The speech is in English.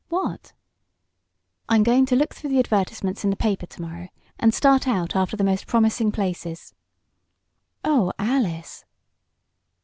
"What?" "I'm going to look through the advertisements in the paper to morrow, and start out after the most promising places." "Oh, Alice!"